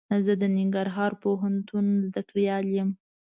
زه د ننګرهار پوهنتون زده کړيال يم.